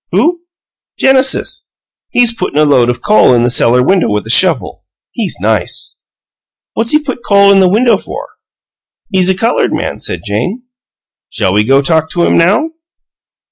"Who?" "Genesis. He's puttin' a load of coal in the cellar window with a shovel. He's nice." "What's he put the coal in the window for?" "He's a colored man," said Jane. "Shall we go talk to him now?"